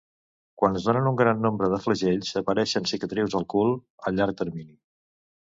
Quan es donen un gran nombre de flagells, apareixen cicatrius al cul a llarg termini.